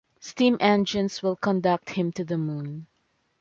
Steam-engines will conduct him to the Moon.